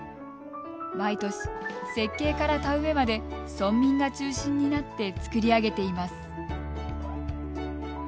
毎年、設計から田植えまで村民が中心になって作り上げています。